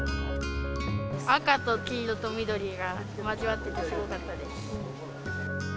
赤と黄色と緑が交わってて、すごかったです。